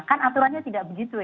kan aturannya tidak begitu ya